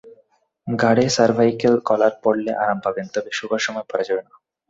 ঘাড়ে cervical collar পরলে আরাম পাবেন, তবে শোবার সময় পরা যাবে না।